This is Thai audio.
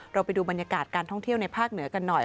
ไปดูบรรยากาศการท่องเที่ยวในภาคเหนือกันหน่อย